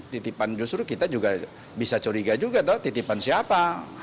titipan justru kita juga bisa curiga juga titipan siapa